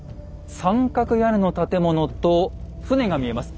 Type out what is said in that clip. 三角屋根の建物と船が見えます。